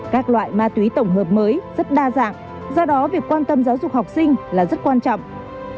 các loại ma túy tổng hợp mới rất đa dạng do đó việc quan tâm giáo dục học sinh là rất quan trọng